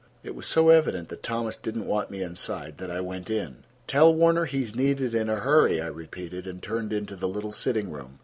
It was so evident that Thomas did not want me inside that I went in. "Tell Warner he is needed in a hurry," I repeated, and turned into the little sitting room.